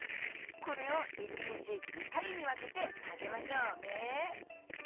これを１日２回に分けてあげましょうね。